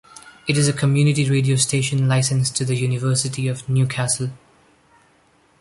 It is a community radio station, licensed to the University of Newcastle.